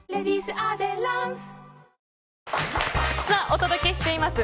お届けしています